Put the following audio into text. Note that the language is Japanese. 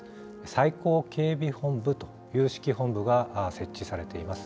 最高警備本部という指揮本部が設置されています。